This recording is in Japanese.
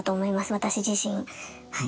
私自身はい。